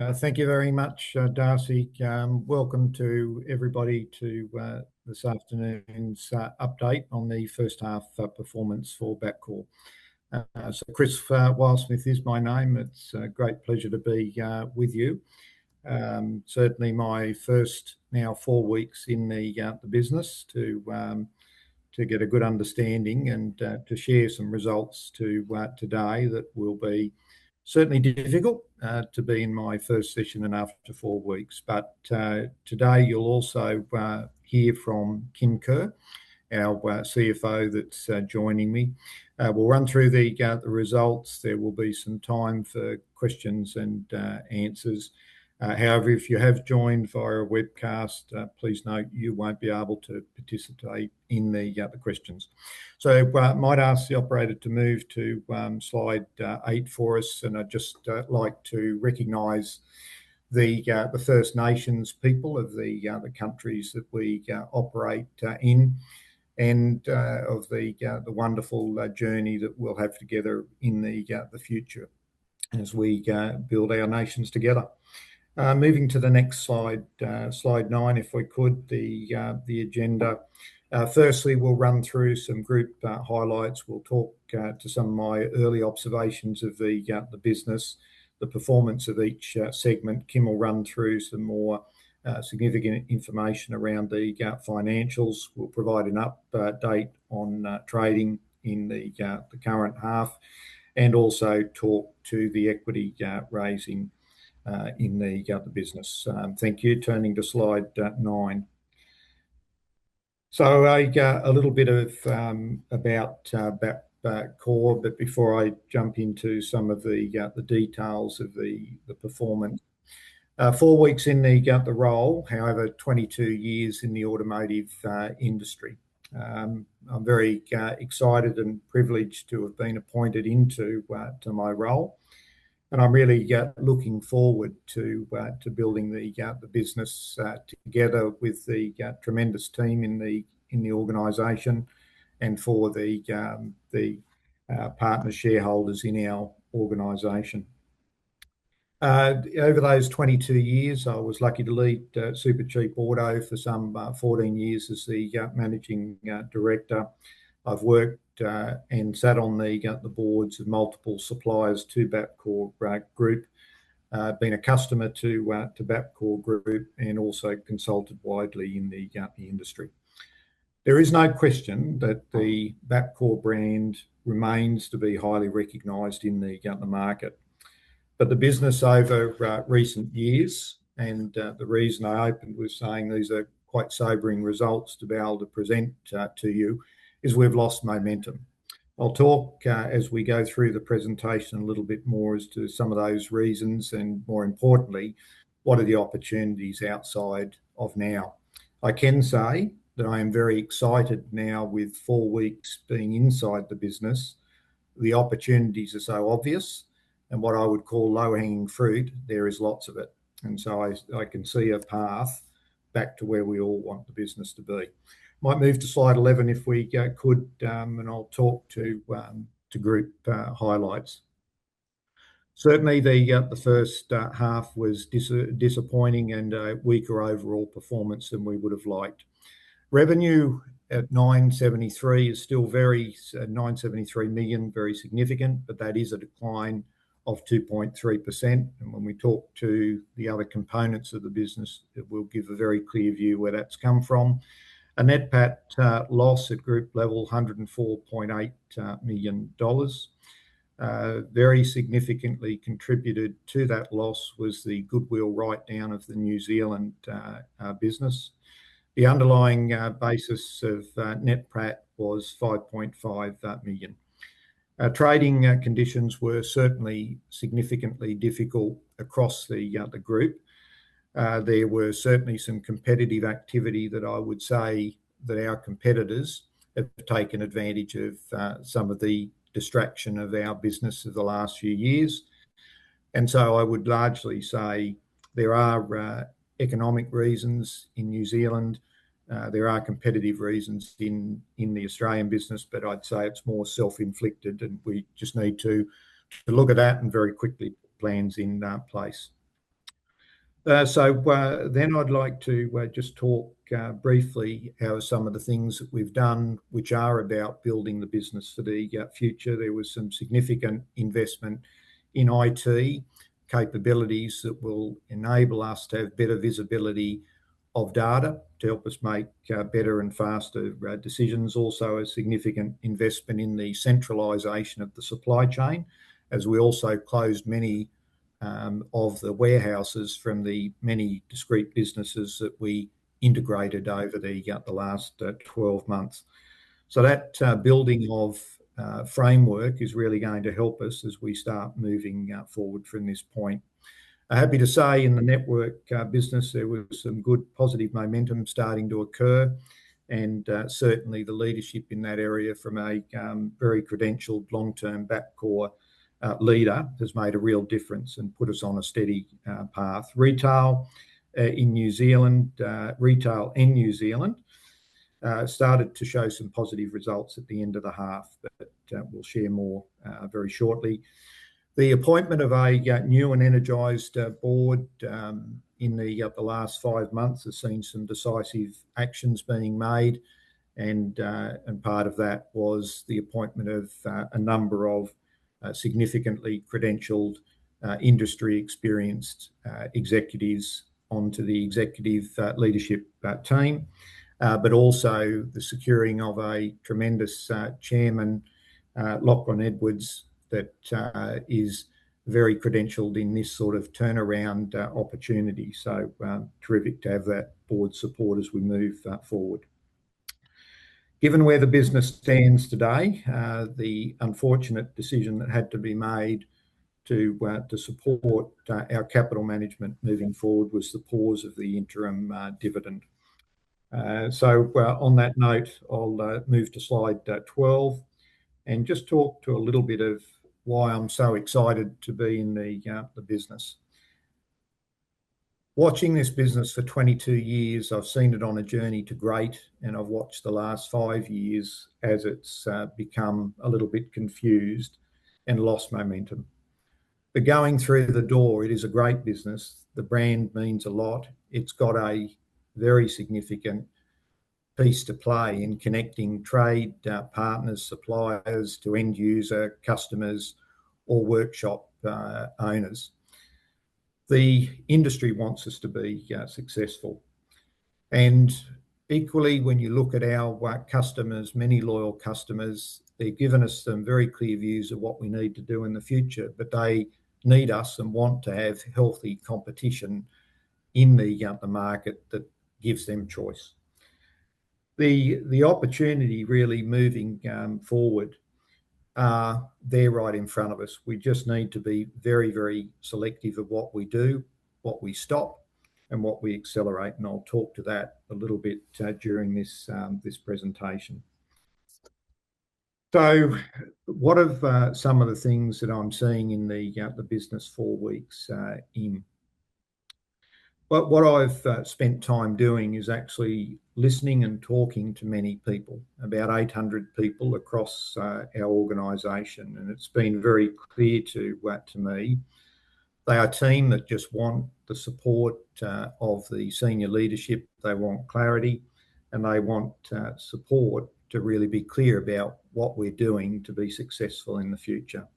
Thank you very much, Darcy. Welcome to everybody to this afternoon's update on the first half performance for Bapcor. Christopher Wilesmith is my name. It's a great pleasure to be with you. Certainly my first now four weeks in the business to get a good understanding and to share some results today that will be certainly difficult to be in my first session and after four weeks. Today you'll also hear from Kim Kerr, our CFO that's joining me. We'll run through the results. There will be some time for questions and answers. However, if you have joined via webcast, please note you won't be able to participate in the questions. Might I ask the operator to move to slide eight for us, and I'd just like to recognize the First Nations people of the countries that we operate in, and of the wonderful journey that we'll have together in the future as we build our nations together. Moving to the next slide nine, if we could, the agenda. Firstly, we'll run through some group highlights. We'll talk to some of my early observations of the business, the performance of each segment. Kim will run through some more significant information around the financials. We'll provide an update on trading in the current half, and also talk to the equity raising in the business. Thank you. Turning to slide nine. I a little bit of about Bapcor, but before I jump into some of the details of the performance. Four weeks in the role, however, 22 years in the automotive industry. I'm very excited and privileged to have been appointed into to my role, and I'm really looking forward to to building the business together with the tremendous team in the organization and for the partner shareholders in our organization. Over those 22 years, I was lucky to lead Supercheap Auto for some 14 years as the managing director. I've worked and sat on the boards of multiple suppliers to Bapcor Group, been a customer to Bapcor Limited, and also consulted widely in the industry. There is no question that the Bapcor brand remains to be highly recognized in the market. The business over recent years, and the reason I opened with saying these are quite sobering results to be able to present to you, is we've lost momentum. I'll talk as we go through the presentation a little bit more as to some of those reasons, and more importantly, what are the opportunities outside of now. I can say that I am very excited now with four weeks being inside the business. The opportunities are so obvious, and what I would call low-hanging fruit, there is lots of it. I can see a path back to where we all want the business to be. Might move to slide 11 if we could, and I'll talk to group highlights. Certainly, the first half was disappointing and a weaker overall performance than we would have liked. Revenue at 973 is still very, 973 million, very significant, but that is a decline of 2.3%, and when we talk to the other components of the business, it will give a very clear view where that's come from. A net PAT loss at group level, 104.8 million dollars. Very significantly contributed to that loss was the goodwill writedown of the New Zealand business. The underlying basis of net PAT was 5.5 million. Trading conditions were certainly significantly difficult across the group. There were certainly some competitive activity that I would say that our competitors have taken advantage of some of the distraction of our business over the last few years. I would largely say there are economic reasons in New Zealand, there are competitive reasons in the Australian business, but I'd say it's more self-inflicted, and we just need to look at that and very quickly put plans in place. I'd like to just talk briefly over some of the things that we've done which are about building the business for the future. There was some significant investment in IT capabilities that will enable us to have better visibility of data to help us make better and faster decisions. Also, a significant investment in the centralization of the supply chain, as we also closed many of the warehouses from the many discrete businesses that we integrated over the last 12 months. That building of framework is really going to help us as we start moving forward from this point. I'm happy to say in the network business, there was some good positive momentum starting to occur, and certainly the leadership in that area from a very credentialed long-term Bapcor leader has made a real difference and put us on a steady path. Retail in New Zealand started to show some positive results at the end of the half, but we'll share more very shortly. The appointment of a new and energized board in the last five months has seen some decisive actions being made. Part of that was the appointment of a number of significantly credentialed, industry experienced executives onto the executive leadership team. Also the securing of a tremendous chairman, Lachlan Edwards, that is very credentialed in this sort of turnaround opportunity. Terrific to have that board support as we move forward. Given where the business stands today, the unfortunate decision that had to be made to support our capital management moving forward, was the pause of the interim dividend. On that note, I'll move to slide 12, and just talk to a little bit of why I'm so excited to be in the business. Watching this business for 22 years, I've seen it on a journey to great, and I've watched the last five years as it's become a little bit confused and lost momentum. Going through the door, it is a great business. The brand means a lot. It's got a very significant piece to play in connecting trade partners, suppliers to end user customers or workshop owners. The industry wants us to be successful, and equally, when you look at our work customers, many loyal customers, they've given us some very clear views of what we need to do in the future, but they need us and want to have healthy competition in the market that gives them choice. The opportunity really moving forward are there right in front of us. We just need to be very, very selective of what we do, what we stop, and what we accelerate, and I'll talk to that a little bit during this presentation. What are some of the things that I'm seeing in the business four weeks in? What I've spent time doing is actually listening and talking to many people, about 800 people across our organization, and it's been very clear to me. They are a team that just want the support of the senior leadership. They want clarity, and they want support to really be clear about what we're doing to be successful in the future.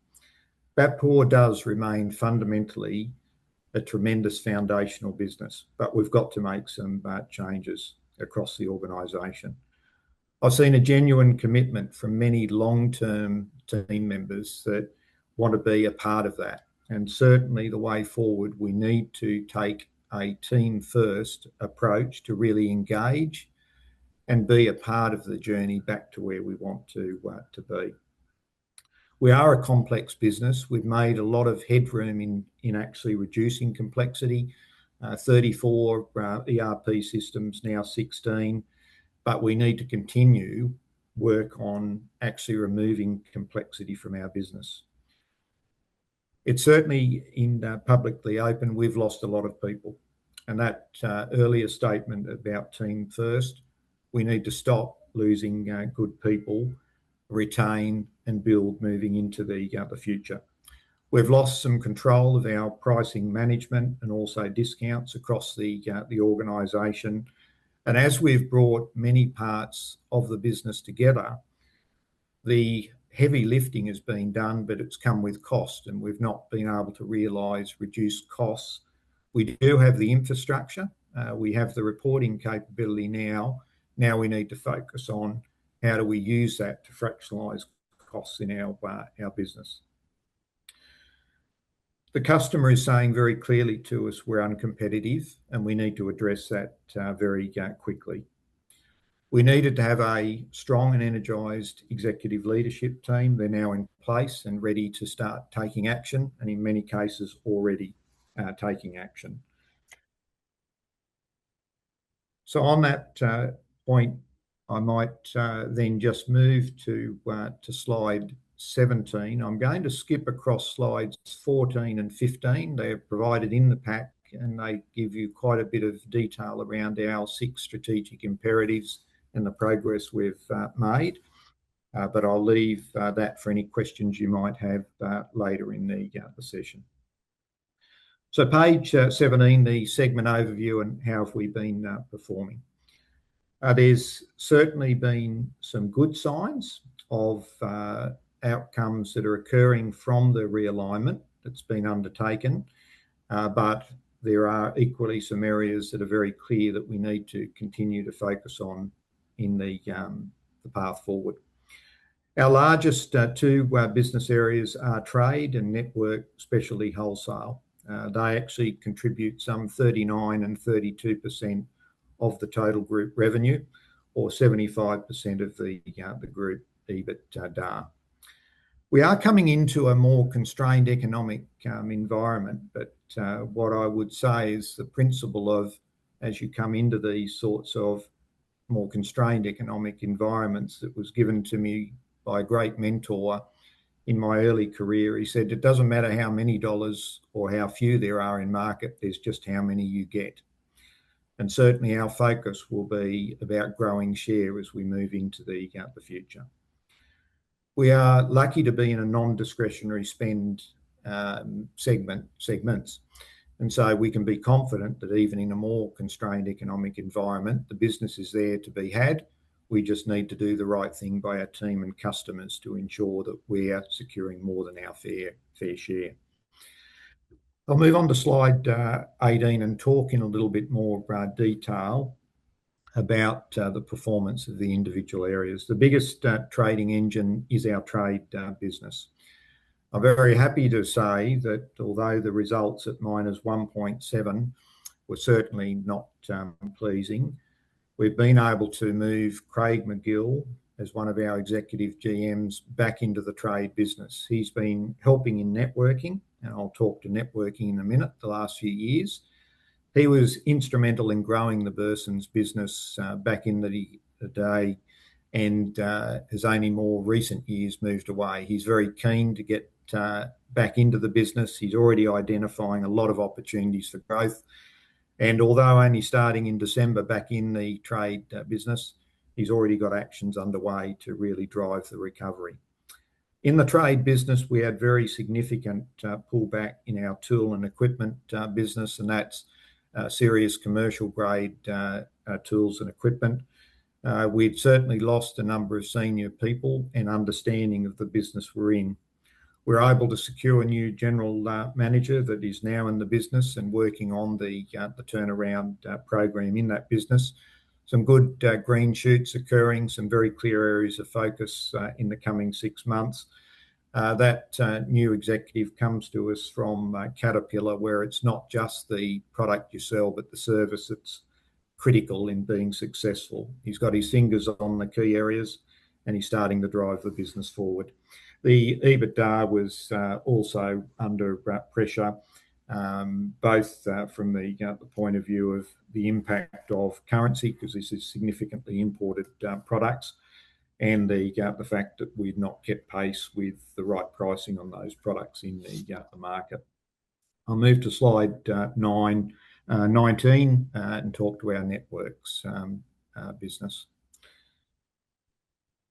Bapcor does remain fundamentally a tremendous foundational business, but we've got to make some changes across the organization. I've seen a genuine commitment from many long-term team members that want to be a part of that, and certainly the way forward, we need to take a team first approach to really engage and be a part of the journey back to where we want to be. We are a complex business. We've made a lot of headroom in actually reducing complexity. 34 ERP systems, now 16. We need to continue work on actually removing complexity from our business. It's certainly in publicly open, we've lost a lot of people, and that earlier statement about team first, we need to stop losing good people, retain and build moving into the future. We've lost some control of our pricing management and also discounts across the organization. As we've brought many parts of the business together, the heavy lifting is being done, but it's come with cost. We've not been able to realize reduced costs. We do have the infrastructure, we have the reporting capability now. We need to focus on how do we use that to fractionalize costs in our business. The customer is saying very clearly to us, we're uncompetitive, and we need to address that very quickly. We needed to have a strong and energized executive leadership team. They're now in place and ready to start taking action, and in many cases, already taking action. On that point, I might then just move to slide 17. I'm going to skip across slides 14 and 15. They are provided in the pack, and they give you quite a bit of detail around our six strategic imperatives and the progress we've made. I'll leave that for any questions you might have later in the session. Page 17, the segment overview and how have we been performing? There's certainly been some good signs of outcomes that are occurring from the realignment that's been undertaken, but there are equally some areas that are very clear that we need to continue to focus on in the path forward. Our largest two business areas are trade and network, specialty wholesale. They actually contribute some 39% and 32% of the total group revenue, or 75% of the group EBITDA. We are coming into a more constrained economic environment, but what I would say is the principle of, as you come into these sorts of more constrained economic environments, that was given to me by a great mentor in my early career. He said, "It doesn't matter how many dollars or how few there are in market, there's just how many you get." Certainly, our focus will be about growing share as we move into the future. We are lucky to be in a non-discretionary spend segments. We can be confident that even in a more constrained economic environment, the business is there to be had. We just need to do the right thing by our team and customers to ensure that we are securing more than our fair share. I'll move on to slide 18, and talk in a little bit more detail about the performance of the individual areas. The biggest trading engine is our trade business. I'm very happy to say that although the results at minus 1.7% were certainly not pleasing, we've been able to move Craig Magill, as one of our executive GMs, back into the trade business. He's been helping in networking, and I'll talk to networking in a minute, the last few years. He was instrumental in growing the Burson's business back in the day and has only more recent years moved away. He's very keen to get back into the business. He's already identifying a lot of opportunities for growth, and although only starting in December back in the trade business, he's already got actions underway to really drive the recovery. In the trade business, we had very significant pullback in our tool and equipment business, and that's serious commercial grade tools and equipment. We'd certainly lost a number of senior people in understanding of the business we're in. We're able to secure a new general manager that is now in the business and working on the turnaround program in that business. Some good green shoots occurring, some very clear areas of focus in the coming six months. That new executive comes to us from Caterpillar, where it's not just the product you sell, but the service that's critical in being successful. He's got his fingers on the key areas, and he's starting to drive the business forward. The EBITDA was also under pressure, both from the point of view of the impact of currency, 'cause this is significantly imported products, and the fact that we've not kept pace with the right pricing on those products in the market. I'll move to slide 19 and talk to our networks business.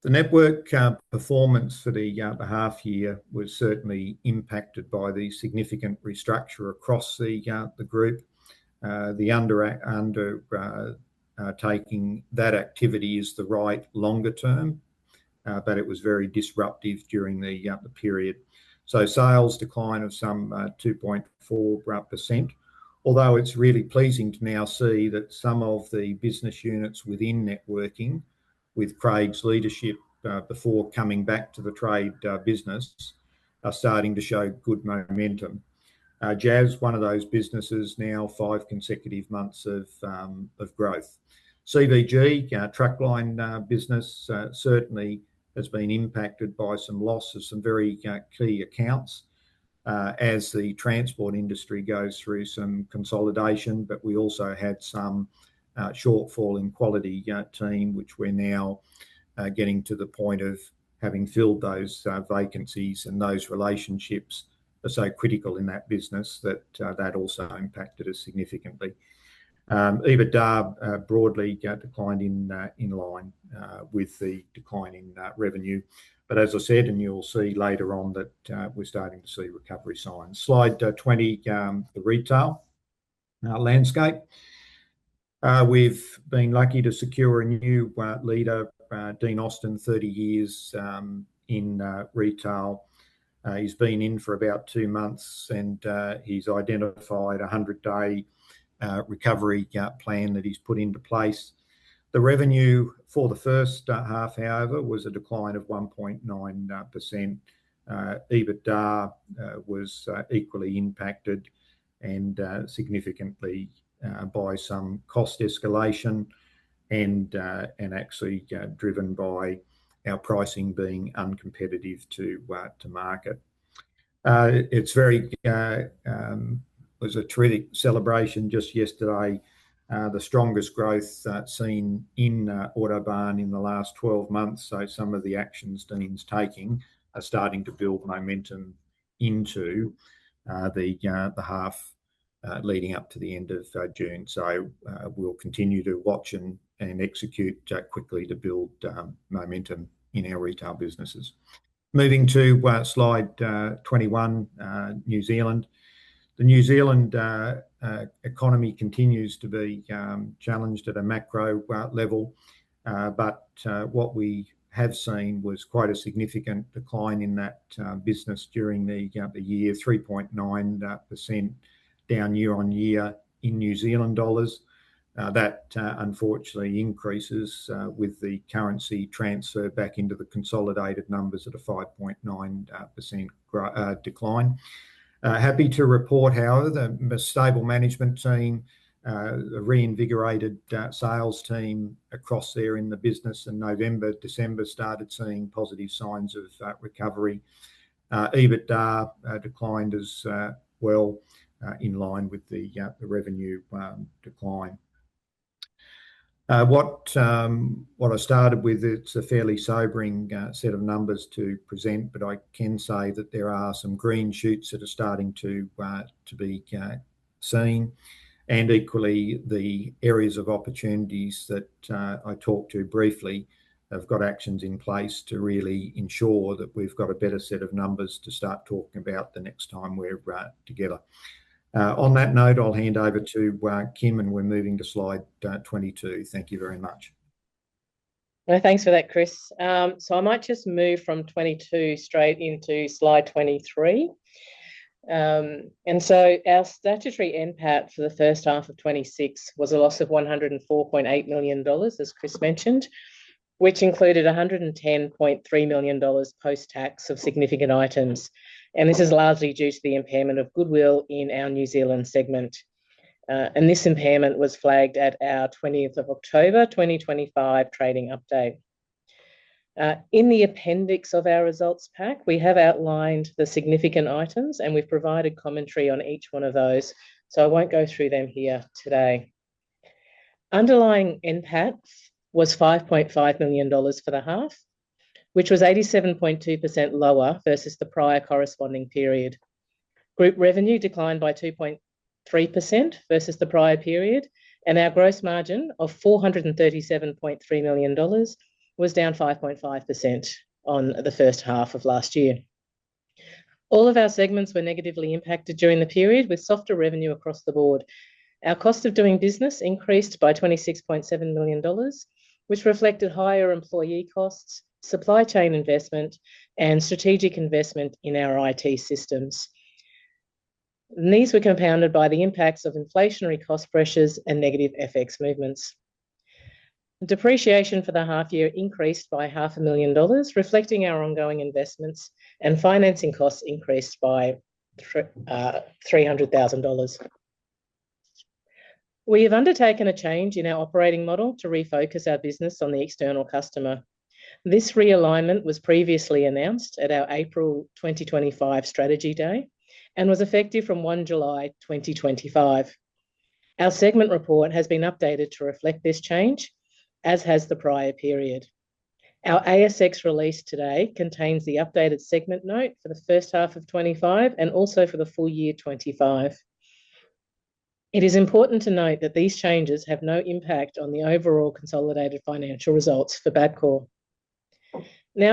The network performance for the half year was certainly impacted by the significant restructure across the group. The undertaking that activity is the right longer term, but it was very disruptive during the period. Sales decline of some 2.4%. Although it's really pleasing to now see that some of the business units within networking, with Craig's leadership, before coming back to the Trade business, are starting to show good momentum. Jax, one of those businesses now, five consecutive months of growth. CVG, truck line business, certainly has been impacted by some loss of some very key accounts, as the transport industry goes through some consolidation. We also had some shortfall in quality team, which we're now getting to the point of having filled those vacancies, and those relationships are so critical in that business that that also impacted us significantly. EBITDA broadly declined in line with the decline in revenue. As I said, and you will see later on, that we're starting to see recovery signs. Slide 20, the retail landscape. We've been lucky to secure a new leader, Dean Austin, 30 years in retail. He's been in for about two months, and he's identified a 100-day recovery plan that he's put into place. The revenue for the first half, however, was a decline of 1.9%. EBITDA was equally impacted and significantly by some cost escalation and actually driven by our pricing being uncompetitive to market. It was a truly celebration just yesterday, the strongest growth seen in Autobarn in the last 12 months. Some of the actions Dean's taking are starting to build momentum into the half leading up to the end of June. We'll continue to watch and execute quickly to build momentum in our retail businesses. Moving to slide 21, New Zealand. The New Zealand economy continues to be challenged at a macro level, but what we have seen was quite a significant decline in that business during the year, 3.9% down year-on-year in NZD. That unfortunately increases with the currency transfer back into the consolidated numbers at a 5.9% decline. Happy to report, however, the stable management team, the reinvigorated sales team across there in the business in November, December, started seeing positive signs of recovery. EBITDA declined as well, in line with the revenue decline. What I started with, it's a fairly sobering set of numbers to present, but I can say that there are some green shoots that are starting to be seen, and equally the areas of opportunities that I talked to briefly, have got actions in place to really ensure that we've got a better set of numbers to start talking about the next time we're together. On that note, I'll hand over to Kim, and we're moving to slide 22. Thank you very much. Well, thanks for that, Chris. I might just move from 22 straight into slide 23. Our statutory NPAT for the first half of 2026 was a loss of 104.8 million dollars, as Chris mentioned, which included 110.3 million dollars post-tax of significant items. This is largely due to the impairment of goodwill in our New Zealand segment. This impairment was flagged at our 20th of October 2025 trading update. In the appendix of our results pack, we have outlined the significant items, we've provided commentary on each one of those, I won't go through them here today. Underlying NPAT was 5.5 million dollars for the half, which was 87.2% lower versus the prior corresponding period. Group revenue declined by 2.3% versus the prior period, and our gross margin of 437.3 million dollars was down 5.5% on the first half of last year. All of our segments were negatively impacted during the period, with softer revenue across the board. Our cost of doing business increased by 26.7 million dollars, which reflected higher employee costs, supply chain investment, and strategic investment in our IT systems. These were compounded by the impacts of inflationary cost pressures and negative FX movements. Depreciation for the half year increased by half a million dollars, reflecting our ongoing investments, and financing costs increased by 300,000 dollars. We have undertaken a change in our operating model to refocus our business on the external customer. This realignment was previously announced at our April 2025 strategy day and was effective from July 1, 2025. Our segment report has been updated to reflect this change, as has the prior period. Our ASX release today contains the updated segment note for the first half of 2025 and also for the full year 2025. It is important to note that these changes have no impact on the overall consolidated financial results for Bapcor.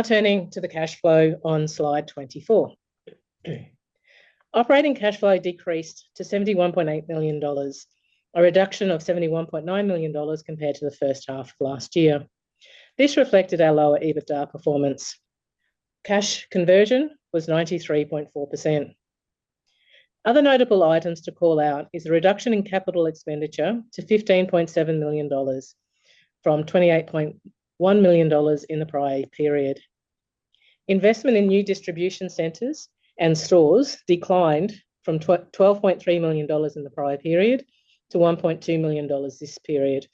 Turning to the cash flow on slide 24. Operating cash flow decreased to $71.8 million, a reduction of $71.9 million compared to the first half of last year. This reflected our lower EBITDA performance. Cash conversion was 93.4%. Other notable items to call out is the reduction in capital expenditure to $15.7 million from $28.1 million in the prior period. Investment in new distribution centers and stores declined from 12.3 million dollars in the prior period to 1.2 million dollars this period,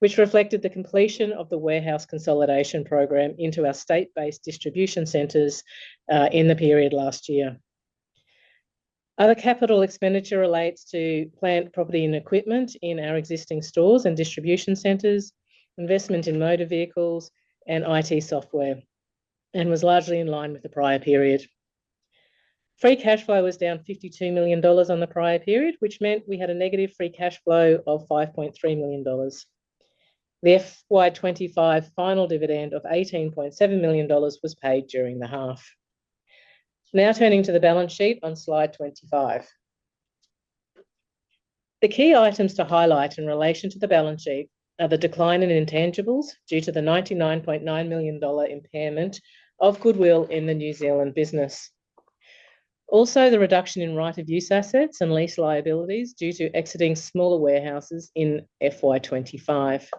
which reflected the completion of the warehouse consolidation program into our state-based distribution centers in the period last year. Other capital expenditure relates to plant property and equipment in our existing stores and distribution centers, investment in motor vehicles and IT software, and was largely in line with the prior period. Free cash flow was down 52 million dollars on the prior period, which meant we had a negative free cash flow of 5.3 million dollars. The FY 2025 final dividend of 18.7 million dollars was paid during the half. Turning to the balance sheet on slide 25. The key items to highlight in relation to the balance sheet are the decline in intangibles due to the 99.9 million dollar impairment of goodwill in the New Zealand business. The reduction in right-of-use assets and lease liabilities due to exiting smaller warehouses in FY 2025.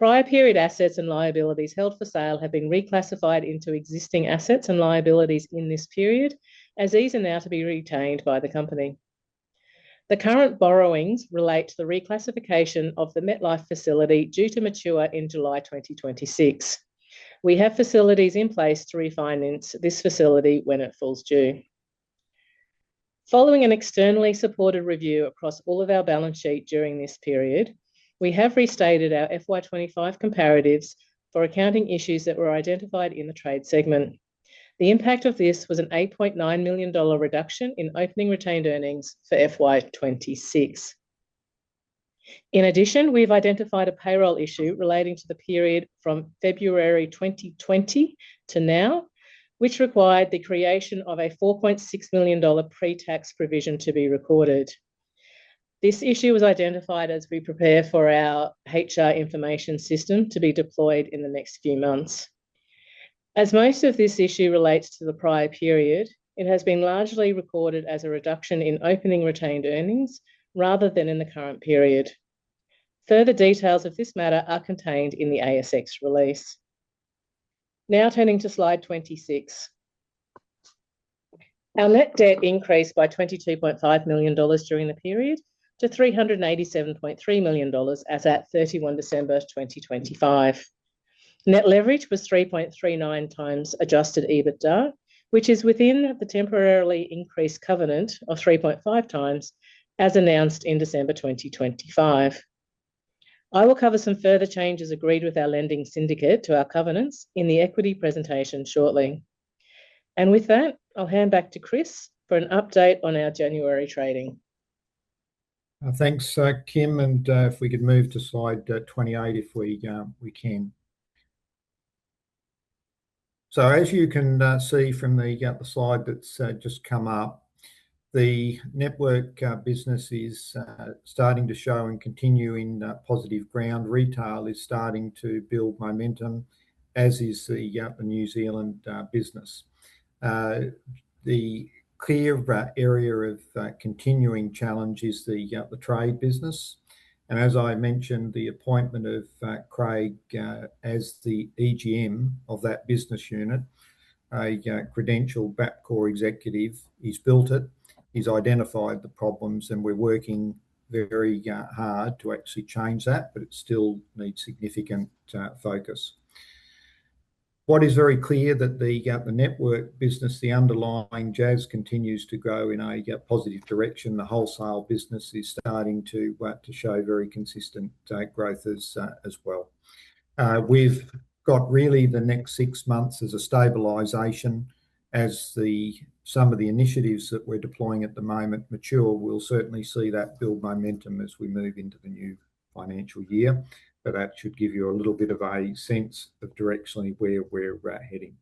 Prior period, assets and liabilities held for sale have been reclassified into existing assets and liabilities in this period, as these are now to be retained by the company. The current borrowings relate to the reclassification of the MetLife facility due to mature in July 2026. We have facilities in place to refinance this facility when it falls due. Following an externally supported review across all of our balance sheet during this period, we have restated our FY 2025 comparatives for accounting issues that were identified in the trade segment. The impact of this was an 8.9 million dollar reduction in opening retained earnings for FY 2026. In addition, we've identified a payroll issue relating to the period from February 2020 to now, which required the creation of an 4.6 million dollar pre-tax provision to be recorded. This issue was identified as we prepare for our HR information system to be deployed in the next few months. As most of this issue relates to the prior period, it has been largely recorded as a reduction in opening retained earnings rather than in the current period. Further details of this matter are contained in the ASX release. Now, turning to slide 26. Our net debt increased by 22.5 million dollars during the period to 387.3 million dollars as at 31 December 2025. Net leverage was 3.39 times adjusted EBITDA, which is within the temporarily increased covenant of 3.5 times, as announced in December 2025. I will cover some further changes agreed with our lending syndicate to our covenants in the equity presentation shortly. With that, I'll hand back to Chris for an update on our January trading. Thanks, Kim Kerr, and if we could move to slide 28 if we can. As you can see from the slide that's just come up, the network business is starting to show and continue in positive ground. Retail is starting to build momentum, as is the New Zealand business. The clear area of continuing challenge is the trade business, and as I mentioned, the appointment of Craig Magill as the EGM of that business unit, a credentialed Bapcor executive. He's built it, he's identified the problems, and we're working very hard to actually change that, but it still needs significant focus. What is very clear that the network business, the underlying Jax, continues to grow in a positive direction. The wholesale business is starting to, well, to show very consistent growth as well. We've got really the next six months as a stabilization. As some of the initiatives that we're deploying at the moment mature, we'll certainly see that build momentum as we move into the new financial year. That should give you a little bit of a sense of directionally where we're heading.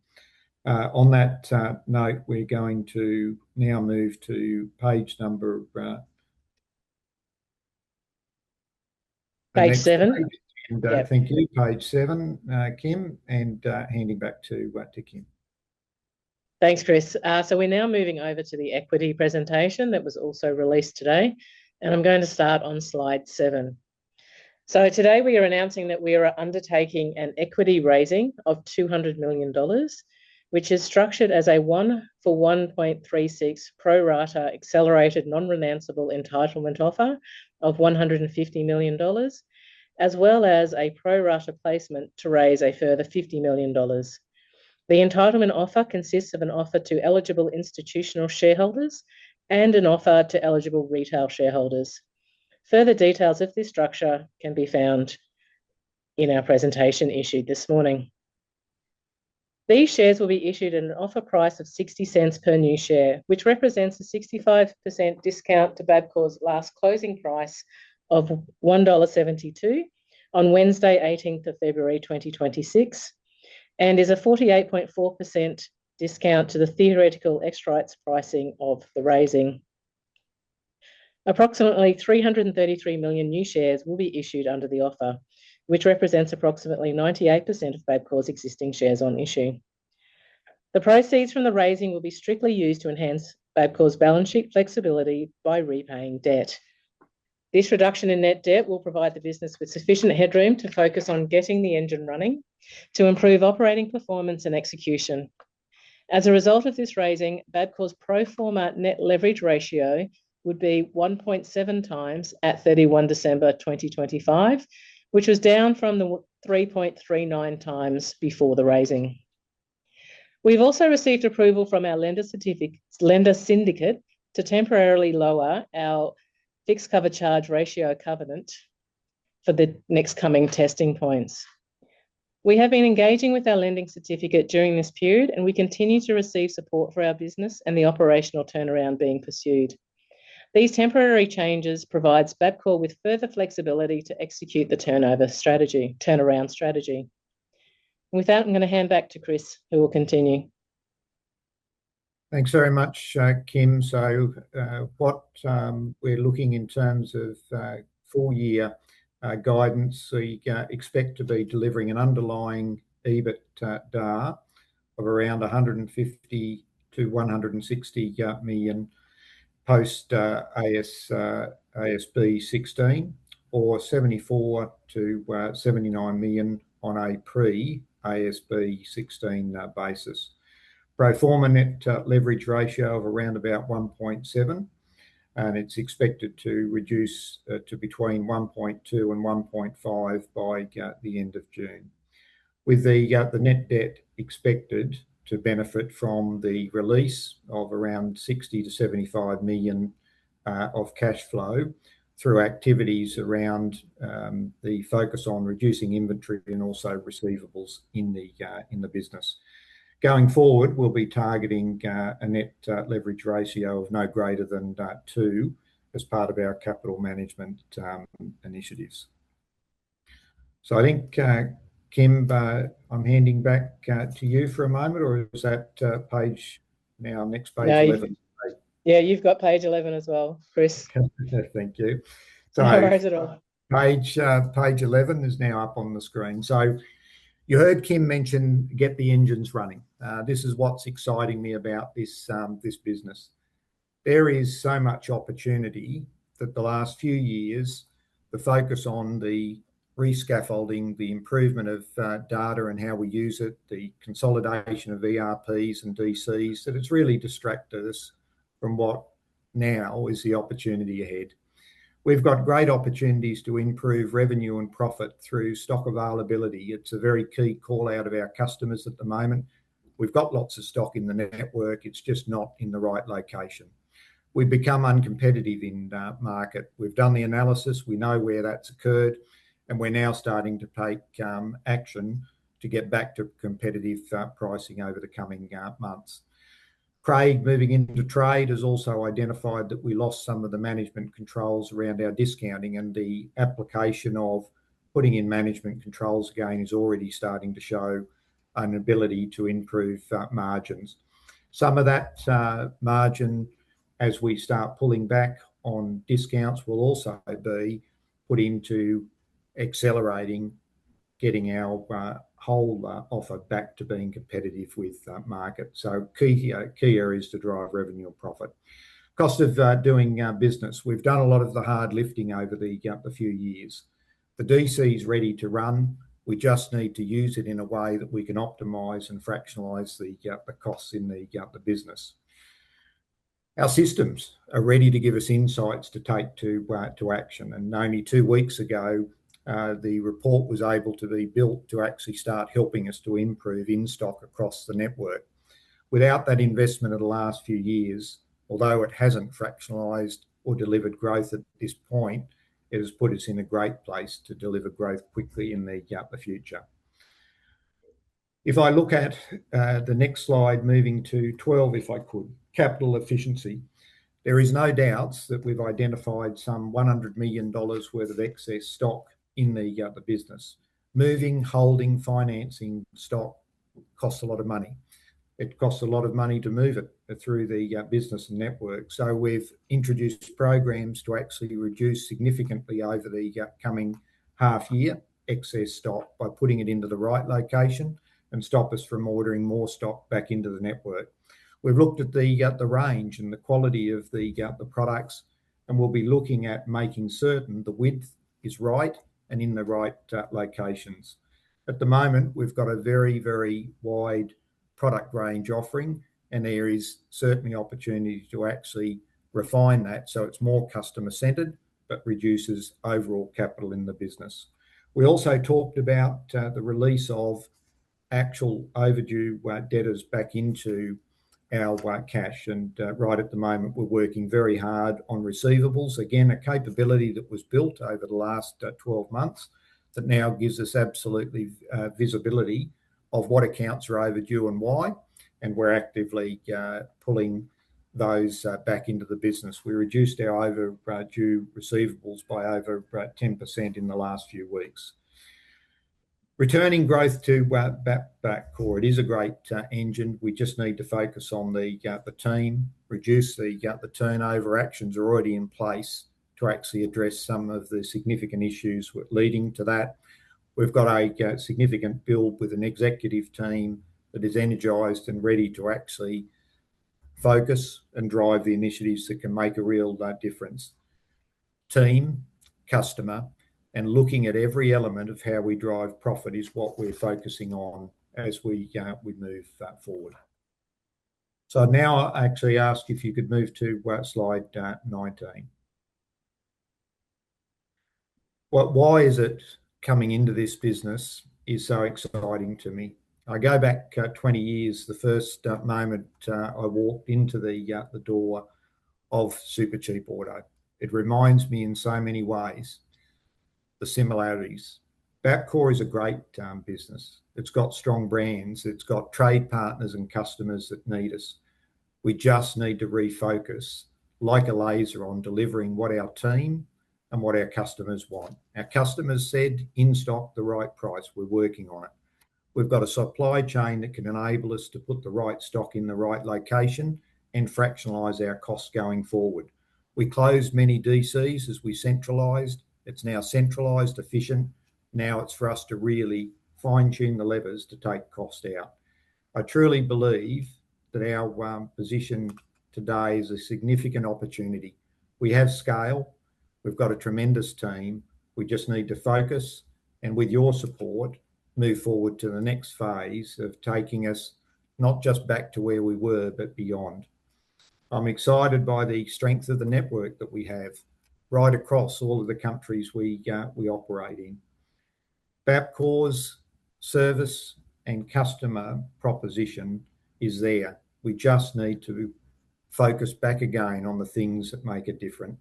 On that note, we're going to now move to page number. Page seven? Thank you. Page seven, Kim, and handing back to Kim. Thanks, Chris. We're now moving over to the equity presentation that was also released today, and I'm going to start on slide seven. Today we are announcing that we are undertaking an equity raising of $200 million, which is structured as a one for 1.36 pro rata accelerated non-renounceable entitlement offer of $150 million, as well as a pro rata placement to raise a further $50 million. The entitlement offer consists of an offer to eligible institutional shareholders and an offer to eligible retail shareholders. Further details of this structure can be found in our presentation issued this morning. These shares will be issued at an offer price of 0.60 per new share, which represents a 65% discount to Bapcor's last closing price of 1.72 dollar on Wednesday, February 18, 2026, and is a 48.4% discount to the Theoretical Ex-Rights Price of the raising. Approximately 333 million new shares will be issued under the offer, which represents approximately 98% of Bapcor's existing shares on issue. The proceeds from the raising will be strictly used to enhance Bapcor's balance sheet flexibility by repaying debt. This reduction in net debt will provide the business with sufficient headroom to focus on getting the engine running, to improve operating performance and execution. As a result of this raising, Bapcor's pro forma net leverage ratio would be 1.7 times at 31 December 2025, which was down from 3.39 times before the raising. We've also received approval from our lender syndicate to temporarily lower our fixed charge cover ratio covenant for the next coming testing points. We have been engaging with our lending certificate during this period, and we continue to receive support for our business and the operational turnaround being pursued. These temporary changes provides Bapcor with further flexibility to execute the turnaround strategy. With that, I'm going to hand back to Chris, who will continue. Thanks very much, Kim. What we're looking in terms of full year guidance, you expect to be delivering an underlying EBITDA of around 150 million-160 million post AASB 16, or 74 million-79 million on a pre-AASB 16 basis. Pro forma net leverage ratio of around about 1.7, and it's expected to reduce to between 1.2 and 1.5 by the end of June. With the net debt expected to benefit from the release of around 60 million-75 million of cash flow through activities around the focus on reducing inventory and also receivables in the business. Going forward, we'll be targeting a net leverage ratio of no greater than two as part of our capital management initiatives. I think Kim, I'm handing back to you for a moment, or is that page now, next page 11? Yeah, you've got page 11 as well, Chris. Okay, thank you. No worries at all. Page 11 is now up on the screen. You heard Kim mention, "Get the engines running." This is what's exciting me about this business. There is so much opportunity that the last few years, the focus on the re-scaffolding, the improvement of data and how we use it, the consolidation of ERPs and DCs, that it's really distracted us from what now is the opportunity ahead. We've got great opportunities to improve revenue and profit through stock availability. It's a very key call-out of our customers at the moment. We've got lots of stock in the network, it's just not in the right location. We've become uncompetitive in the market. We've done the analysis, we know where that's occurred, we're now starting to take action to get back to competitive pricing over the coming months. Craig, moving into trade, has also identified that we lost some of the management controls around our discounting. The application of putting in management controls again is already starting to show an ability to improve margins. Some of that margin, as we start pulling back on discounts, will also be put into accelerating, getting our whole offer back to being competitive with market. Key areas to drive revenue and profit. Cost of doing business. We've done a lot of the hard lifting over the few years. The DC is ready to run. We just need to use it in a way that we can optimize and fractionalize the costs in the business. Our systems are ready to give us insights to take to action, and only two weeks ago, the report was able to be built to actually start helping us to improve in-stock across the network. Without that investment of the last few years, although it hasn't fractionalized or delivered growth at this point, it has put us in a great place to deliver growth quickly in the future. I look at the next slide, moving to 12, if I could. Capital efficiency. There is no doubts that we've identified some 100 million dollars worth of excess stock in the business. Moving, holding, financing stock costs a lot of money. It costs a lot of money to move it through the business network. We've introduced programs to actually reduce significantly over the coming half year, excess stock by putting it into the right location and stop us from ordering more stock back into the network. We've looked at the range and the quality of the products, and we'll be looking at making certain the width is right and in the right locations. At the moment, we've got a very, very wide product range offering, and there is certainly opportunity to actually refine that so it's more customer-centered, but reduces overall capital in the business. We also talked about the release of actual overdue debtors back into our cash, and right at the moment, we're working very hard on receivables. Again, a capability that was built over the last 12 months, that now gives us absolutely visibility of what accounts are overdue and why, and we're actively pulling those back into the business. We reduced our overdue receivables by over about 10% in the last few weeks. Returning growth to Bapcor. It is a great engine. We just need to focus on the team, reduce the turnover. Actions are already in place to actually address some of the significant issues leading to that. We've got a significant build with an executive team that is energized and ready to actually focus and drive the initiatives that can make a real difference. Team, customer, and looking at every element of how we drive profit is what we're focusing on as we move forward. Now I actually ask if you could move to slide 19. Why is it coming into this business is so exciting to me? I go back 20 years, the first moment I walked into the door of Supercheap Auto. It reminds me in so many ways, the similarities. Bapcor is a great business. It's got strong brands, it's got trade partners and customers that need us. We just need to refocus like a laser on delivering what our team and what our customers want. Our customers said, "In stock, the right price." We're working on it. We've got a supply chain that can enable us to put the right stock in the right location and fractionalize our costs going forward. We closed many DCs as we centralized. It's now centralized, efficient. Now it's for us to really fine-tune the levers to take cost out. I truly believe that our position today is a significant opportunity. We have scale, we've got a tremendous team. We just need to focus, and with your support, move forward to the next phase of taking us not just back to where we were, but beyond. I'm excited by the strength of the network that we have right across all of the countries we operate in. Bapcor's service and customer proposition is there. We just need to focus back again on the things that make it different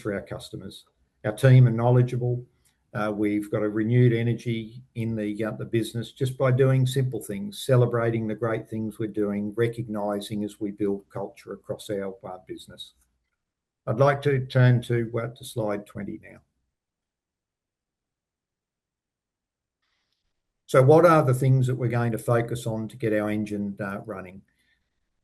for our customers. Our team are knowledgeable. We've got a renewed energy in the business just by doing simple things, celebrating the great things we're doing, recognizing as we build culture across our business. I'd like to turn to slide 20 now. What are the things that we're going to focus on to get our engine running?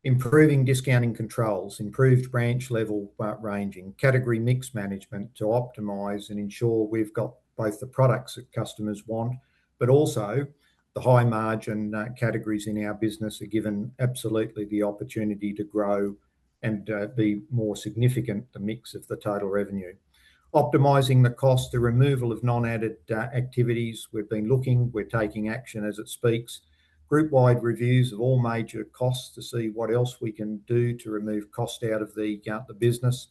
Improving discounting controls, improved branch level ranging, category mix management to optimize and ensure we've got both the products that customers want, but also the high-margin categories in our business are given absolutely the opportunity to grow and be more significant, the mix of the total revenue. Optimizing the cost, the removal of non-added activities. We've been looking, we're taking action as it speaks. Group-wide reviews of all major costs to see what else we can do to remove cost out of the business.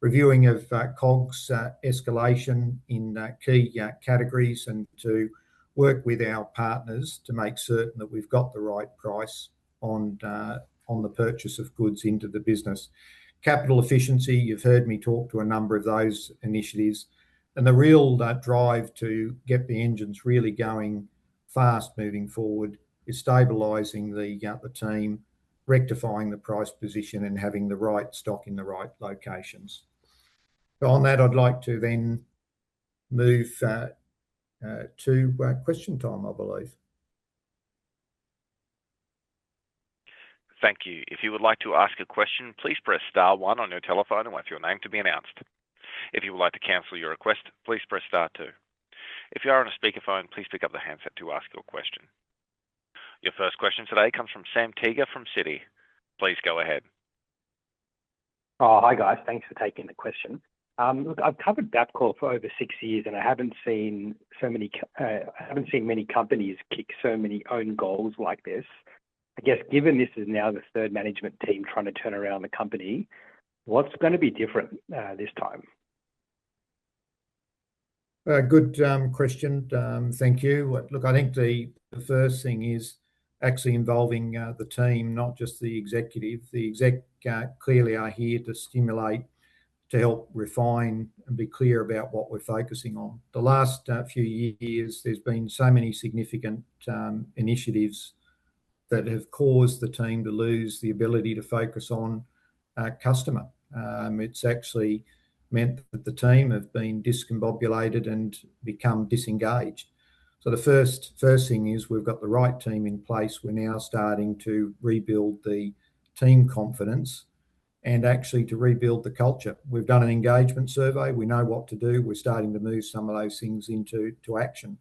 Reviewing of COGS, escalation in key categories, and to work with our partners to make certain that we've got the right price on the purchase of goods into the business. Capital efficiency, you've heard me talk to a number of those initiatives, and the real drive to get the engines really going, fast moving forward is stabilizing the team, rectifying the price position, and having the right stock in the right locations. On that, I'd like to then move to question time, I believe. Thank you. If you would like to ask a question, please press star one on your telephone and wait for your name to be announced. If you would like to cancel your request, please press star two. If you are on a speakerphone, please pick up the handset to ask your question. Your first question today comes from Sam Teeger from Citi. Please go ahead. Hi, guys. Thanks for taking the question. Look, I've covered Bapcor for over six years. I haven't seen many companies kick so many own goals like this. I guess, given this is now the third management team trying to turn around the company, what's going to be different this time? Good question. Thank you. Well, look, I think the first thing is actually involving the team, not just the executive. The exec clearly are here to stimulate, to help refine and be clear about what we're focusing on. The last few years, there's been so many significant initiatives that have caused the team to lose the ability to focus on our customer. It's actually meant that the team have been discombobulated and become disengaged. The first thing is we've got the right team in place. We're now starting to rebuild the team confidence and actually to rebuild the culture. We've done an engagement survey. We know what to do. We're starting to move some of those things into action.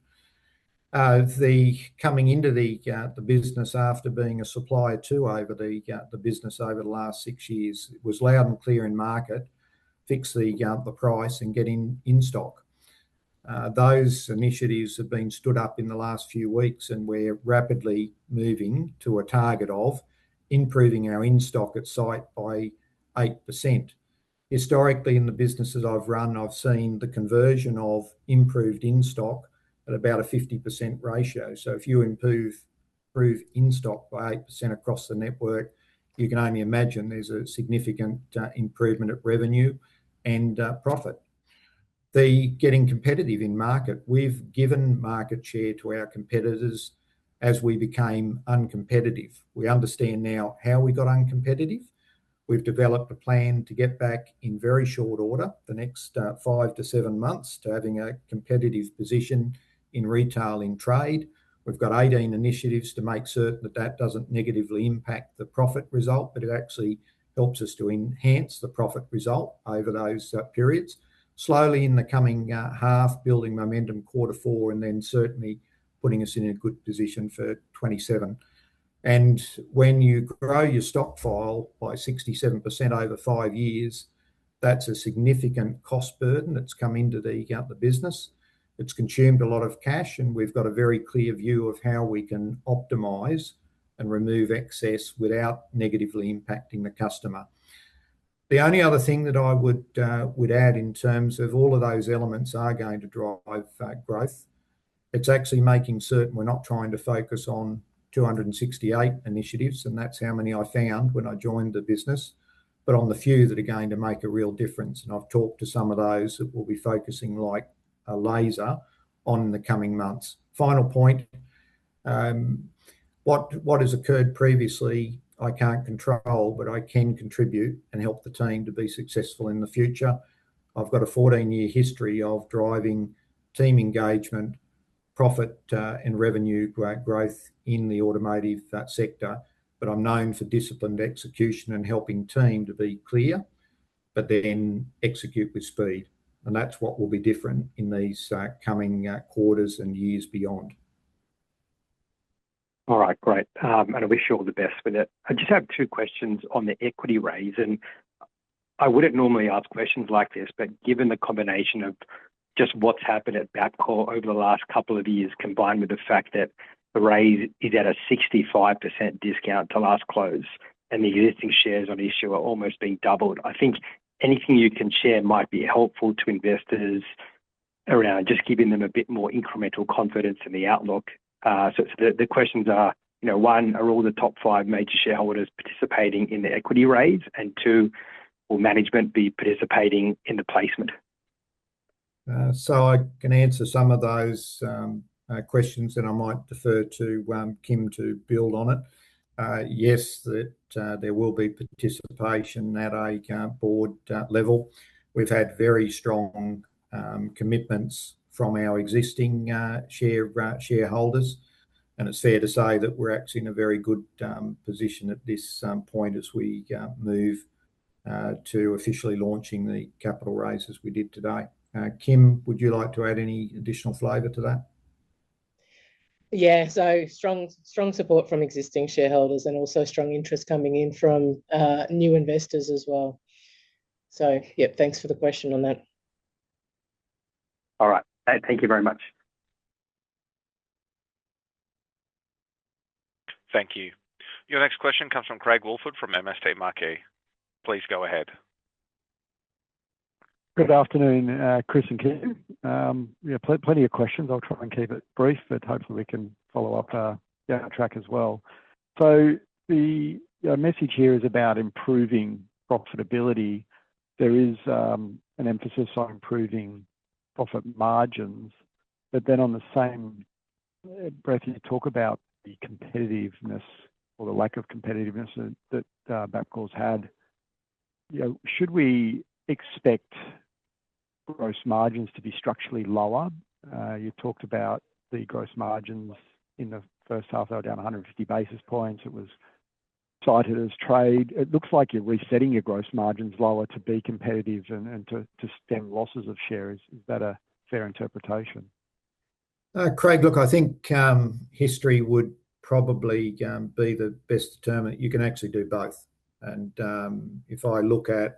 The coming into the business after being a supplier, too, over the business over the last six years, it was loud and clear in market: fix the price and getting in stock. Those initiatives have been stood up in the last few weeks, and we're rapidly moving to a target of improving our in-stock at site by 8%. Historically, in the businesses I've run, I've seen the conversion of improved in-stock at about a 50% ratio. If you improve in-stock by 8% across the network, you can only imagine there's a significant improvement of revenue and profit. The getting competitive in market, we've given market share to our competitors as we became uncompetitive. We understand now how we got uncompetitive. We've developed a plan to get back in very short order, the next, five-seven months, to having a competitive position in retail and trade. We've got 18 initiatives to make certain that that doesn't negatively impact the profit result, but it actually helps us to enhance the profit result over those periods. Slowly, in the coming half, building momentum Q4, and then certainly putting us in a good position for FY 2027. When you grow your stock file by 67% over five years, that's a significant cost burden that's come into the business. It's consumed a lot of cash, we've got a very clear view of how we can optimize and remove excess without negatively impacting the customer. The only other thing that I would add in terms of all of those elements are going to drive growth. It's actually making certain we're not trying to focus on 268 initiatives, and that's how many I found when I joined the business, but on the few that are going to make a real difference, and I've talked to some of those, that we'll be focusing like a laser on the coming months. Final point, what has occurred previously, I can't control, but I can contribute and help the team to be successful in the future. I've got a 14-year history of driving team engagement, profit, and revenue growth in the automotive sector, but I'm known for disciplined execution and helping team to be clear, but then execute with speed, and that's what will be different in these coming quarters and years beyond. All right, great. I wish you all the best with it. I just have two questions on the equity raise. I wouldn't normally ask questions like this, but given the combination of just what's happened at Bapcor over the last couple of years, combined with the fact that the raise is at a 65% discount to last close and the existing shares on issue are almost being doubled, I think anything you can share might be helpful to investors around just giving them a bit more incremental confidence in the outlook. The questions are: one, are all the top five major shareholders participating in the equity raise? Two, will management be participating in the placement? I can answer some of those questions, then I might defer to Kim to build on it. Yes, that there will be participation at a board level. We've had very strong commitments from our existing shareholders, and it's fair to say that we're actually in a very good position at this point as we move to officially launching the capital raise as we did today. Kim, would you like to add any additional flavor to that? Yeah. Strong support from existing shareholders and also strong interest coming in from new investors as well. Yeah, thanks for the question on that. All right. Thank you very much. Thank you. Your next question comes from Craig Woolford from MST Marquee. Please go ahead. Good afternoon, Chris and Kim. Yeah, plenty of questions. I'll try and keep it brief, but hopefully we can follow up down the track as well. The message here is about improving profitability. There is an emphasis on improving profit margins, on the same breath, you talk about the competitiveness or the lack of competitiveness that Bapcor's had. You know, should we expect gross margins to be structurally lower? You talked about the gross margins in the first half, they were down 150 basis points. It was cited as trade. It looks like you're resetting your gross margins lower to be competitive and to stem losses of shares. Is that a fair interpretation? Craig, look, I think history would probably be the best determinant. You can actually do both, and if I look at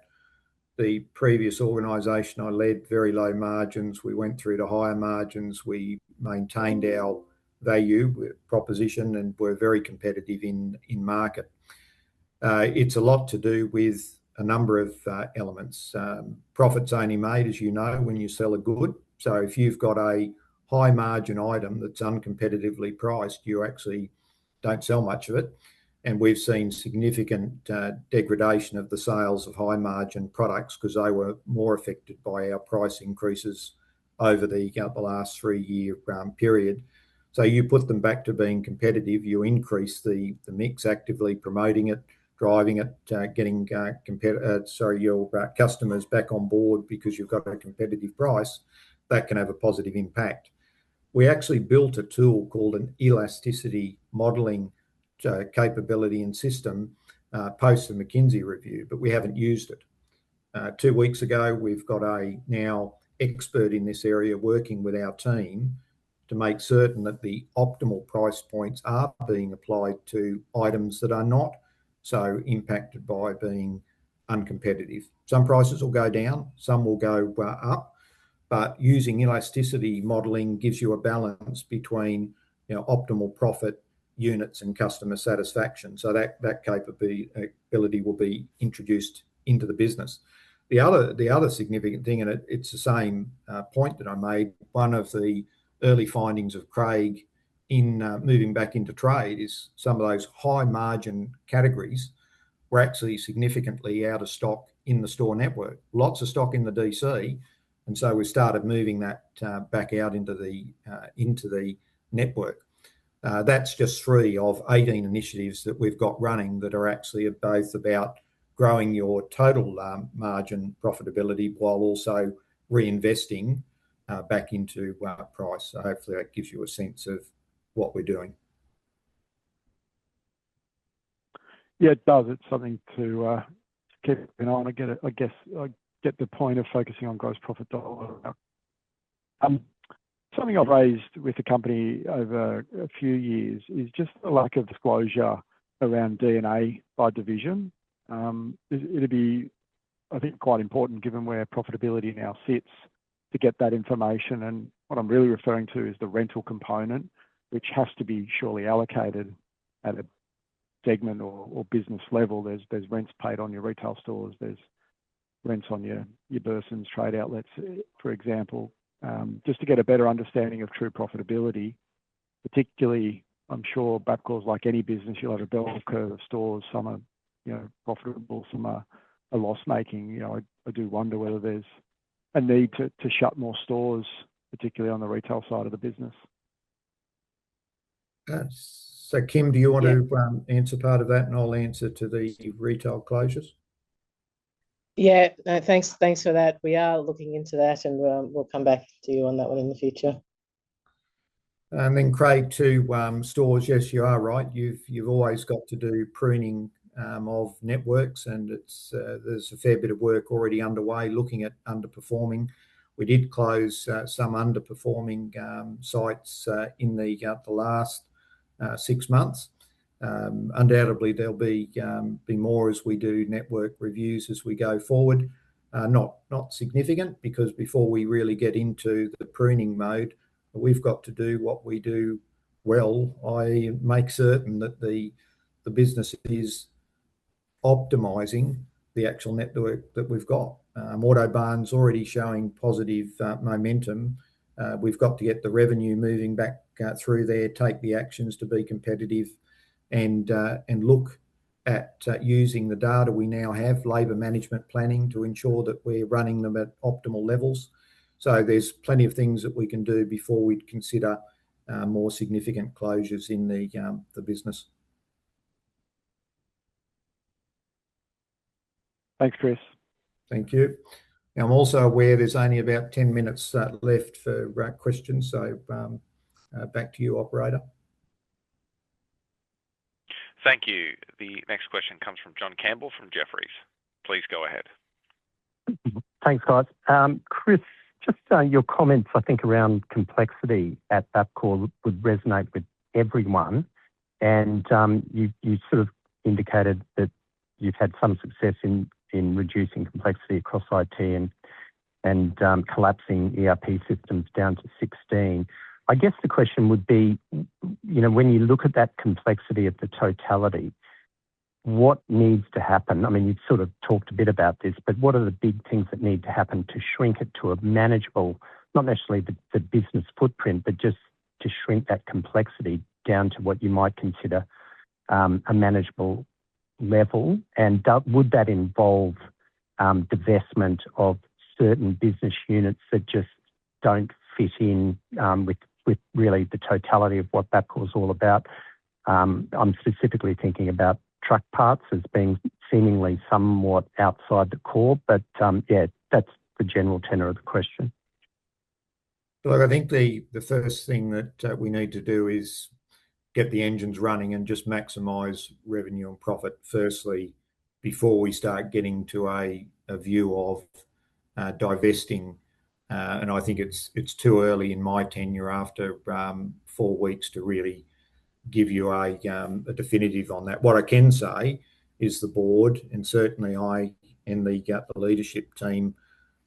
the previous organization I led, very low margins. We went through to higher margins. We maintained our value proposition, and we're very competitive in market. It's a lot to do with a number of elements. Profit's only made, as you know, when you sell a good, so if you've got a high-margin item that's uncompetitively priced, you actually don't sell much of it, and we've seen significant degradation of the sales of high-margin products 'cause they were more affected by our price increases over the last three-year period. You put them back to being competitive, you increase the mix, actively promoting it, driving it, getting sorry, your customers back on board because you've got a competitive price that can have a positive impact. We actually built a tool called an elasticity modeling capability and system post the McKinsey review, but we haven't used it. Two weeks ago, we've got a now expert in this area working with our team to make certain that the optimal price points are being applied to items that are not so impacted by being uncompetitive. Some prices will go down, some will go up. Using elasticity modeling gives you a balance between, you know, optimal profit units and customer satisfaction. That capability will be introduced into the business. The other significant thing, and it's the same point that I made, one of the early findings of Craig in moving back into trade is some of those high-margin categories were actually significantly out of stock in the store network. Lots of stock in the DC. We started moving that back out into the network. That's just three of 18 initiatives that we've got running that are actually both about growing your total margin profitability while also reinvesting back into price. Hopefully, that gives you a sense of what we're doing. Yeah, it does. It's something to keep an eye on. I get it. I guess I get the point of focusing on gross profit dollar. Something I've raised with the company over a few years is just a lack of disclosure around D&A by division. It'll be, I think, quite important, given where profitability now sits, to get that information, and what I'm really referring to is the rental component, which has to be surely allocated at a segment or business level. There's rents paid on your retail stores, there's rents on your Burson's trade outlets, for example. Just to get a better understanding of true profitability, particularly, I'm sure Bapcor's, like any business, you'll have a bell curve of stores. Some are, you know, profitable, some are loss-making. You know, I do wonder whether there's a need to shut more stores, particularly on the retail side of the business. Kim, do you want to? Yeah... answer part of that, and I'll answer to the retail closures? Yeah. No, thanks for that. We are looking into that, and we'll come back to you on that one in the future. Then, Craig, to stores, yes, you are right. You've always got to do pruning of networks, and it's, there's a fair bit of work already underway looking at underperforming. We did close some underperforming sites in the last six months. Undoubtedly, there'll be more as we do network reviews as we go forward. Not significant, because before we really get into the pruning mode, we've got to do what we do well, i.e., make certain that the business is optimizing the actual network that we've got. Autobarn's already showing positive momentum. We've got to get the revenue moving back through there, take the actions to be competitive and look at using the data we now have, labor management planning, to ensure that we're running them at optimal levels. There's plenty of things that we can do before we'd consider more significant closures in the business. Thanks, Chris. Thank you. I'm also aware there's only about 10 minutes, left for, questions, so, back to you, operator. Thank you. The next question comes from John Campbell from Jefferies. Please go ahead. Thanks, guys. Chris, just your comments, I think, around complexity at Bapcor would resonate with everyone, and you sort of indicated that you've had some success in reducing complexity across IT and collapsing ERP systems down to 16. I guess the question would be, you know, when you look at that complexity of the totality, what needs to happen? I mean, you've sort of talked a bit about this, but what are the big things that need to happen to shrink it to a manageable level, not necessarily the business footprint, but just to shrink that complexity down to what you might consider? Would that involve divestment of certain business units that just don't fit in with really the totality of what Bapcor's all about? I'm specifically thinking about truck parts as being seemingly somewhat outside the core, but yeah, that's the general tenor of the question. Look, I think the first thing that we need to do is get the engines running and just maximize revenue and profit firstly, before we start getting to a view of divesting. I think it's too early in my tenure after four weeks to really give you a definitive on that. What I can say is the board, and certainly I and the leadership team,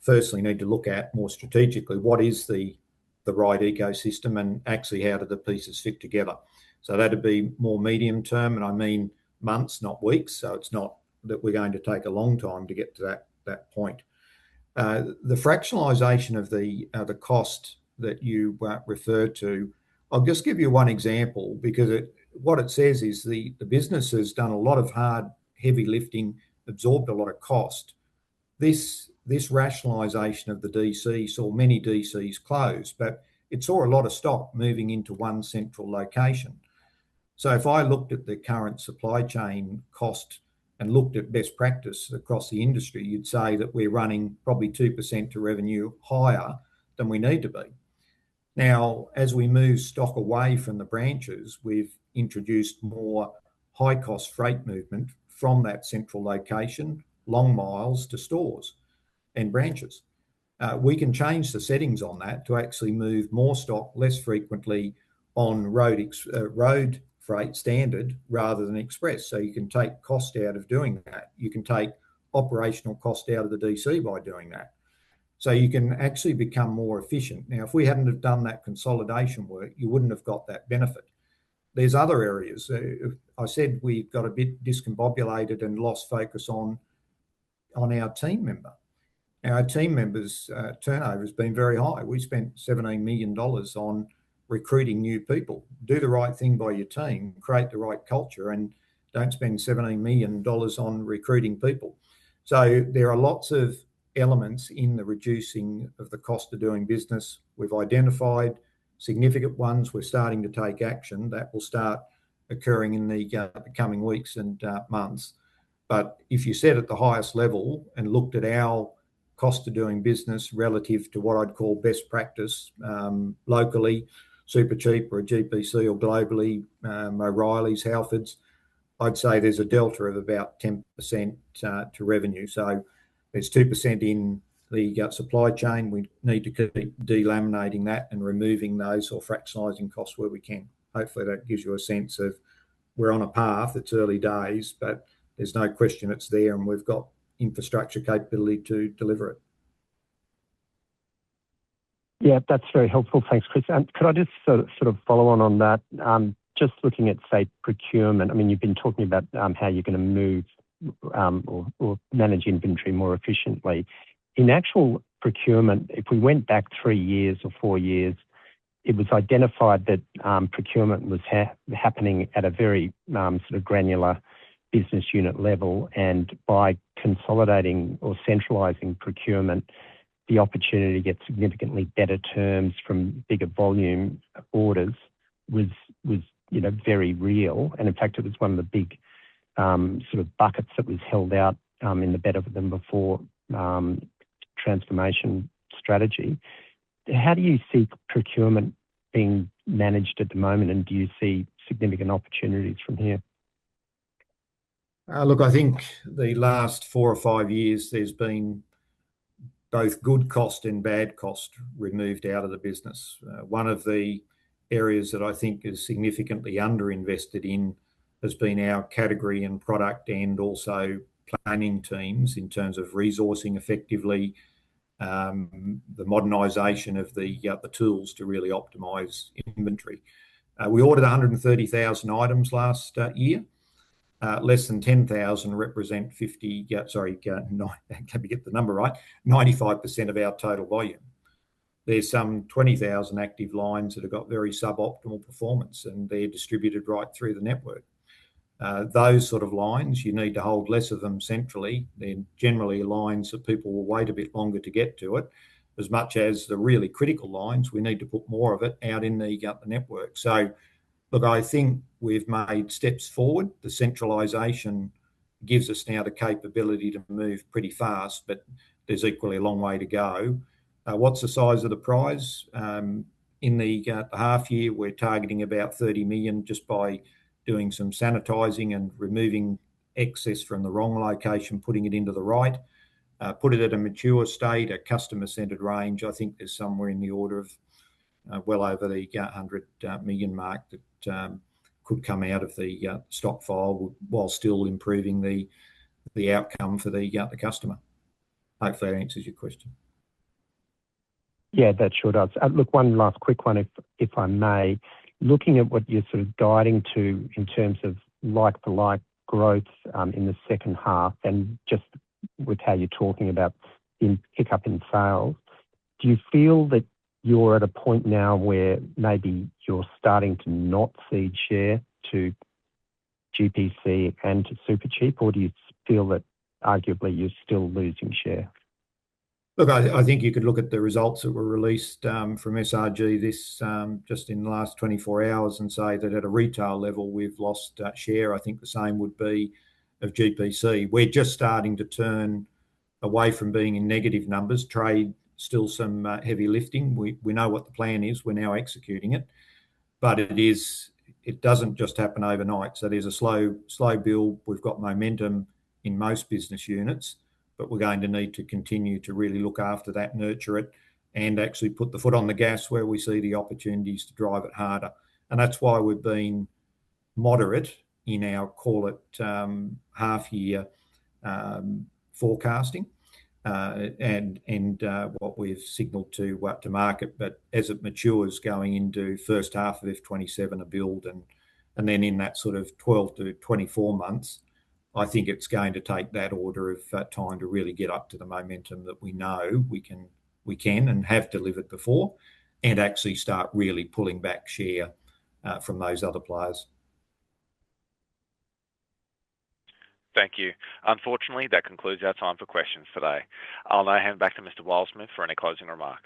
firstly need to look at more strategically, what is the right ecosystem, and actually how do the pieces fit together? That'd be more medium term, and I mean months, not weeks, so it's not that we're going to take a long time to get to that point. The fractionalization of the cost that you referred to, I'll just give you one example, because what it says is, the business has done a lot of hard, heavy lifting, absorbed a lot of cost. This rationalization of the DC saw many DCs close, but it saw a lot of stock moving into one central location. If I looked at the current supply chain cost and looked at best practice across the industry, you'd say that we're running probably 2% to revenue higher than we need to be. As we move stock away from the branches, we've introduced more high-cost freight movement from that central location, long miles to stores and branches. We can change the settings on that to actually move more stock, less frequently on road freight standard rather than express. You can take cost out of doing that. You can take operational cost out of the DC by doing that, so you can actually become more efficient. If we hadn't have done that consolidation work, you wouldn't have got that benefit. There's other areas. I said we got a bit discombobulated and lost focus on our team member. Our team members' turnover has been very high. We spent 17 million dollars on recruiting new people. Do the right thing by your team, create the right culture, don't spend 17 million dollars on recruiting people. There are lots of elements in the reducing of the cost of doing business. We've identified significant ones. We're starting to take action that will start occurring in the coming weeks and months. If you sat at the highest level and looked at our cost of doing business relative to what I'd call best practice, locally, Supercheap or GPC, or globally, O'Reilly's, Halfords, I'd say there's a delta of about 10% to revenue. There's 2% in the supply chain. We need to keep delaminating that and removing those or fractionizing costs where we can. Hopefully, that gives you a sense of we're on a path. It's early days, but there's no question it's there, and we've got infrastructure capability to deliver it. Yeah, that's very helpful. Thanks, Chris. Could I just sort of follow on on that? Just looking at, say, procurement, I mean, you've been talking about how you're gonna move or manage inventory more efficiently. In actual procurement, if we went back three years or four years, it was identified that procurement was happening at a very sort of granular business unit level, and by consolidating or centralizing procurement, the opportunity to get significantly better terms from bigger volume orders was, you know, very real, and in fact, it was one of the big sort of buckets that was held out in the Better Than Before transformation strategy. How do you see procurement being managed at the moment, and do you see significant opportunities from here? Look, I think the last four or five years, there's been both good cost and bad cost removed out of the business. One of the areas that I think is significantly underinvested in has been our category and product and also planning teams, in terms of resourcing effectively, the modernization of the tools to really optimize inventory. We ordered 130,000 items last year. Less than 10,000 represent 50, sorry, let me get the number right, 95% of our total volume. There's some 20,000 active lines that have got very suboptimal performance, and they're distributed right through the network. Those sort of lines, you need to hold less of them centrally. They're generally lines that people will wait a bit longer to get to it. As much as the really critical lines, we need to put more of it out in the network. Look, I think we've made steps forward. The centralization gives us now the capability to move pretty fast, but there's equally a long way to go. What's the size of the prize? In the half year, we're targeting about 30 million just by doing some sanitizing and removing excess from the wrong location, putting it into the right. Put it at a mature state, a customer-centered range, I think there's somewhere in the order of well over the 100 million mark that could come out of the stock file while still improving the outcome for the customer. Hopefully, that answers your question. Yeah, that sure does. Look, one last quick one, if I may. Looking at what you're sort of guiding to in terms of like-for-like growth, in the second half, and just with how you're talking about pick up in sales. Do you feel that you're at a point now where maybe you're starting to not cede share to GPC and to Supercheap? Or do you feel that arguably you're still losing share? Look, I think you could look at the results that were released from SRG this, just in the last 24 hours, and say that at a retail level, we've lost share. I think the same would be of GPC. We're just starting to turn away from being in negative numbers. Trade, still some heavy lifting. We know what the plan is, we're now executing it doesn't just happen overnight. There's a slow build. We've got momentum in most business units, but we're going to need to continue to really look after that, nurture it, and actually put the foot on the gas where we see the opportunities to drive it harder. That's why we've been moderate in our, call it, half-year forecasting and what we've signaled to market. As it matures, going into first half of FY 2027, a build, and then in that sort of 12-24 months, I think it's going to take that order of time to really get up to the momentum that we know we can and have delivered before, and actually start really pulling back share from those other players. Thank you. Unfortunately, that concludes our time for questions today. I'll now hand back to Mr. Wilesmith for any closing remarks.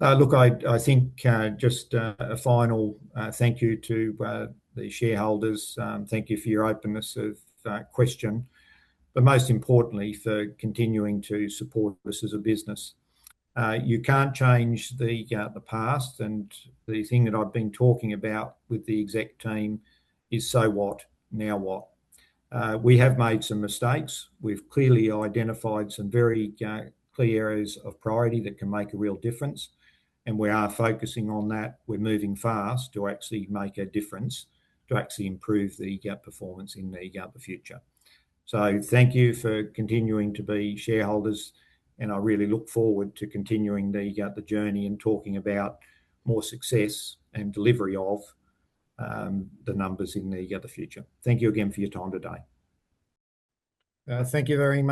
Look, I think, just a final thank you to the shareholders. Thank you for your openness of question, most importantly, for continuing to support us as a business. You can't change the past, the thing that I've been talking about with the exec team is, "So what? Now what?" We have made some mistakes. We've clearly identified some very clear areas of priority that can make a real difference, we are focusing on that. We're moving fast to actually make a difference, to actually improve the Bapcor performance in Bapcor's future. Thank you for continuing to be shareholders, and I really look forward to continuing the journey and talking about more success and delivery of the numbers in the other future. Thank you again for your time today. Thank you very much.